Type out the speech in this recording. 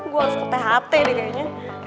gua harus ke tht nih kayaknya